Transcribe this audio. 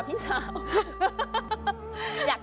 พี่ฝนธนสุดนอน